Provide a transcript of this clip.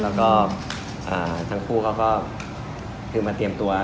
แล้วก็ทั้งคู่เขาก็คือมาเตรียมตัว